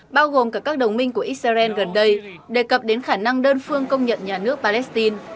bao gồm cả các đồng minh của israel gần đây đề cập đến khả năng đơn phương công nhận nhà nước palestine